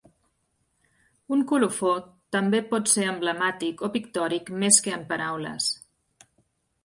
Un colofó també pot ser emblemàtic o pictòric més que en paraules.